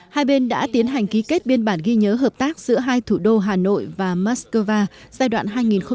hai bên đã tiến hành ký kết biên bản ghi nhớ hợp tác giữa hai thủ đô hà nội và moscow giai đoạn hai nghìn một mươi tám hai nghìn hai mươi